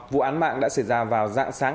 vụ án mạng đã xảy ra vào dạng sáng